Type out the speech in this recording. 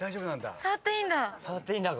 触っていいんだ。